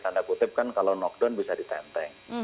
tanda kutip kan kalau knockdown bisa ditenteng